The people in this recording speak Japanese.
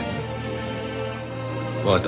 わかった。